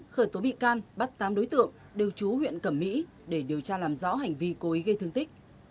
khởi tố bị can bắt tám đối tượng đều trú huyện cẩm mỹ để điều tra làm rõ hành vi cố ý gây thương tích